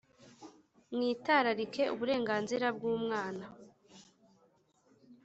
mwitararikire uburenganzira bwu umwana